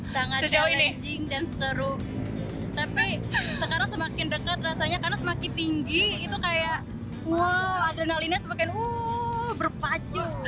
sangat joyging dan seru tapi sekarang semakin dekat rasanya karena semakin tinggi itu kayak wow adrenalinnya semakin uh berpacu